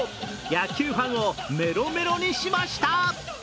野球ファンをメロメロにしました。